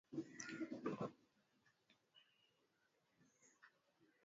hatua hii imekuja wakati serikali hiyo ya muungano iko katika mchakato